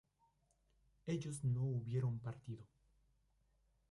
ellos no hubieron partido